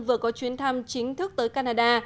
vừa có chuyến thăm chính thức tới canada